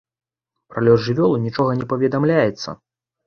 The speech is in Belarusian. Пра лёс жывёлы нічога не паведамляецца.